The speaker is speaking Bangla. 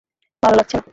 ভালো লাগছে না!